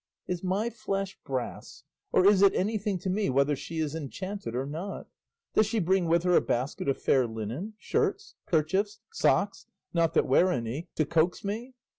Is my flesh brass? or is it anything to me whether she is enchanted or not? Does she bring with her a basket of fair linen, shirts, kerchiefs, socks not that wear any to coax me?